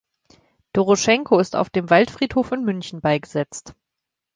Doroschenko ist auf dem Waldfriedhof in München beigesetzt.